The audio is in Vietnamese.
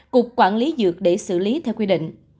cục quản lý dược để xử lý theo quy định